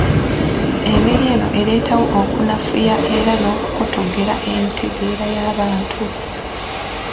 Engeri eno ereetawo okunafuya era n’okukotoggera entegeera y’abantu.